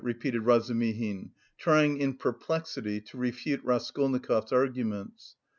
repeated Razumihin, trying in perplexity to refute Raskolnikov's arguments.